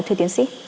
thưa tiến sĩ